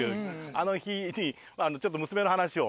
あの日にちょっと娘の話を。